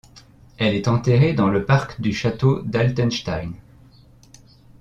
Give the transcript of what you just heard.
Elle est enterrée dans le parc du château d'Altenstein.